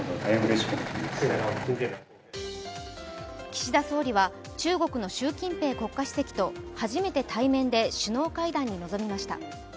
岸田総理は中国習近平国家主席と初めて対面で首脳会談に臨みました。